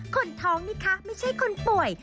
คนท้องนี่คะไม่ใช่คนป่วย